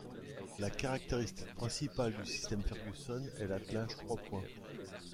La caractéristique principale du Système Ferguson est l'attelage trois points.